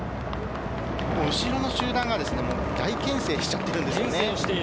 後ろの集団が大形成しちゃってるんですよね。